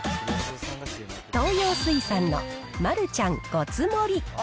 東洋水産のマルちゃんごつ盛り。